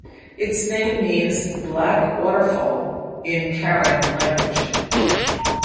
Its name means ""black waterfall"" in Karen language.